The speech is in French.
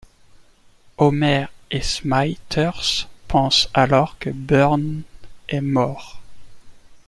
Homer et Smithers pensent alors que Burns est mort.